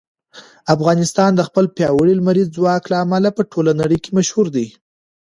افغانستان د خپل پیاوړي لمریز ځواک له امله په ټوله نړۍ کې مشهور دی.